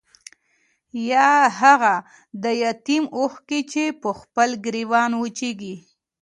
يا هاغه د يتيم اوښکې چې پۀ خپل ګريوان وچيږي